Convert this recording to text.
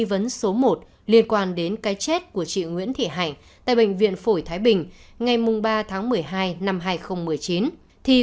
về cái thời gian của rất